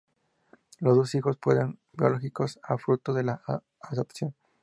Los hijos pueden ser biológicos o fruto de la adopción.